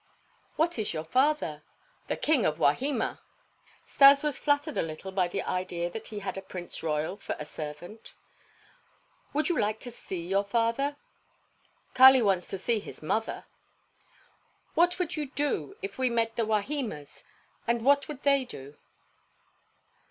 "What is your father?" "The king of Wahima." Stas was flattered a little by the idea that he had a Prince Royal for a servant. "Would you like to see your father?" "Kali wants to see his mother." "What would you do if we met the Wahimas, and what would they do?"